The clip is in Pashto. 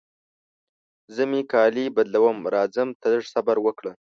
زه مې کالي بدلوم، راځم ته لږ صبر وکړه.